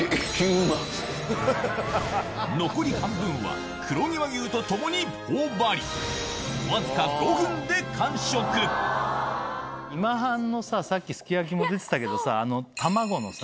残り半分は黒毛和牛と共に頬張り今半のささっきすき焼きも出てたけどさ卵のさ